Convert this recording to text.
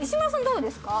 どうですか？